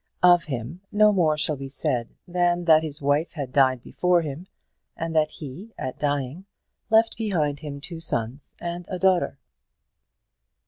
Of him no more shall be said than that his wife had died before him, and that he, at dying, left behind him two sons and a daughter.